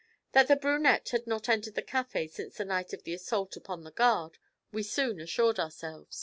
That the brunette had not entered the café since the night of the assault upon the guard, we soon assured ourselves.